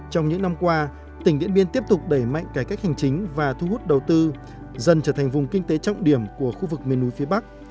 trong những năm qua tỉnh điện biên tiếp tục đẩy mạnh cải cách hành chính và thu hút đầu tư dần trở thành vùng kinh tế trọng điểm của khu vực miền núi phía bắc